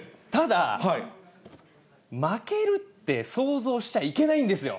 ただ、負けるって想像しちゃいけないんですよ。